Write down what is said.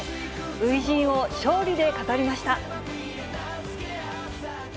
初陣を勝利で飾りました。